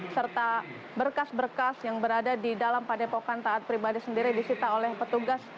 serta berkas berkas yang berada di dalam padepokan taat pribadi sendiri disita oleh petugas